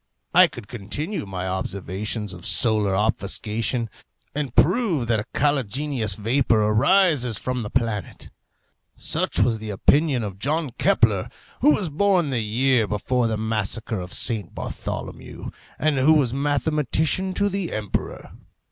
I could continue my observations of solar obfuscation, and prove that a caligenous vapour arises from the planet. Such was the opinion of John Kepler, who was born the year before the Massacre of St. Bartholomew, and who was mathematician to the emperor.